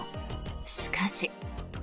しかし。